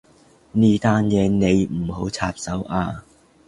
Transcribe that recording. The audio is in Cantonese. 呢單嘢你唔好插手啊